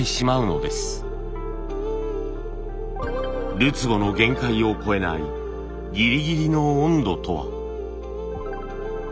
るつぼの限界を超えないギリギリの温度とは？